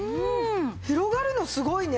広がるのすごいね。